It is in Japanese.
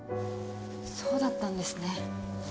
そうだったんですね。